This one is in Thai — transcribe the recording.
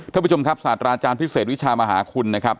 ท่านผู้ชมครับศาสตราอาจารย์พิเศษวิชามหาคุณนะครับ